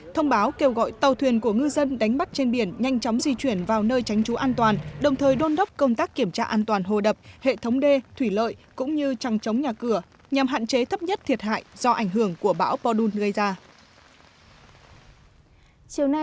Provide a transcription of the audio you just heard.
thông báo kêu gọi tàu thuyền của ngư dân đánh bắt trên biển nhanh chóng di chuyển vào nơi tránh trú an toàn đồng thời đôn đốc công tác kiểm tra an toàn hồ đập hệ thống đê thủy lợi cũng như trăng chống nhà cửa nhằm hạn chế thấp nhất thiệt hại do ảnh hưởng của bão podun gây ra